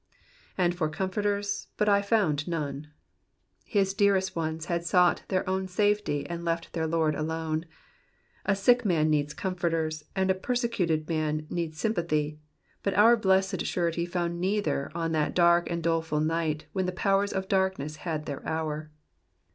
'^And for eorr^forters, but I found none.'*'* His dearest ones had sought their own safety, and left their Lord alone. A sick man needs comforters, and a persecuted man needs sympathy ; but our blessed Surety found neither on that dark and doleful night when the powers of daikness had their hour.